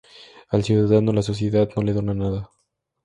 Al ciudadano “La sociedad no le dona nada.